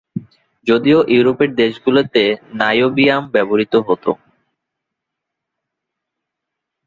যদিও ইউরোপের দেশগুলোতে "নাইওবিয়াম" ব্যবহৃত হতো।